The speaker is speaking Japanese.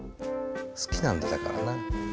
好きなんだだからな。